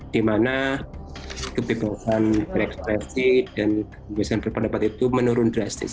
di mana kebebasan berekspresi dan kebebasan berpendapat itu menurun drastis